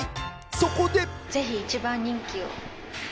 そこで。